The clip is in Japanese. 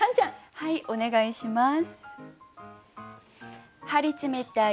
はいお願いします。